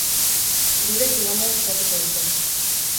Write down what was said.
Hirurek igandean jokatuko dute.